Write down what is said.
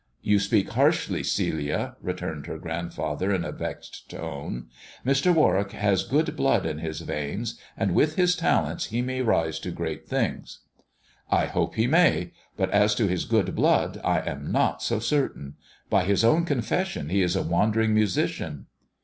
"You speak harshly, Celia," returned her grandfather in a vexed tone. "Mr. Warwick has good blood in his veins, and with his talents he may rise to great things." "I hope he may; but as to his good blood I am not so certain. By his own confession he is a wandering musician."